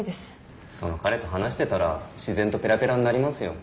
その彼と話してたら自然とペラペラになりますよ。